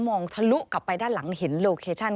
มองทะลุกลับไปด้านหลังเห็นโลเคชัน